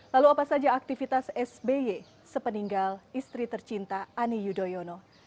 lalu apa saja aktivitas sby sepeninggal istri tercinta ani yudhoyono